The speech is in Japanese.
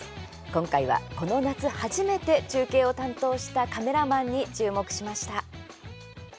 今回はこの夏初めて中継を担当したカメラマンに注目しました。